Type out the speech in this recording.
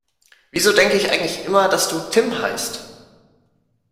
Wieso denke ich eigentlich immer, dass du Tim heißt?